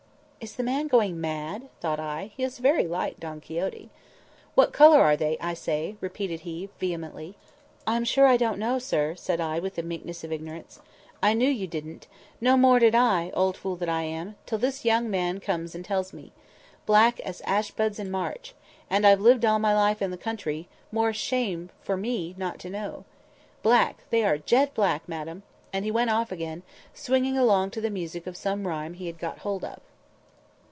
Is the man going mad? thought I. He is very like Don Quixote. "What colour are they, I say?" repeated he vehemently. "I am sure I don't know, sir," said I, with the meekness of ignorance. "I knew you didn't. No more did I—an old fool that I am!—till this young man comes and tells me. Black as ash buds in March. And I've lived all my life in the country; more shame for me not to know. Black: they are jet black, madam." And he went off again, swinging along to the music of some rhyme he had got hold of.